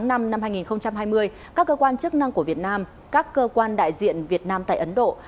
trong các ngày một mươi chín và hai mươi tháng năm năm hai nghìn hai mươi các cơ quan chức năng của việt nam các cơ quan đại diện việt nam tại ấn độ